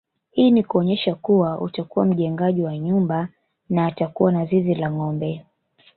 Hii ni kuonyesha kuwa atakuwa mjengaji wa nyumba na atakuwa na zizi la ngombe